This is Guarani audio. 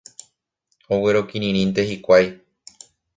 Oguerokirĩnte hikuái.